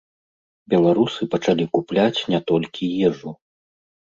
Беларусы пачалі купляць не толькі ежу.